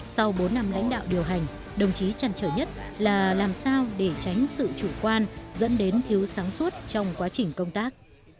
sau bốn năm lãnh đạo điều hành đồng chí trăn trở nhất là làm sao để tránh sự chủ quan dẫn đến thiếu sáng suốt trong quá trình công tác